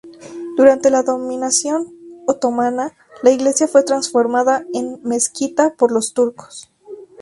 Durante la dominación otomana, la iglesia fue transformada en mezquita por los turcos.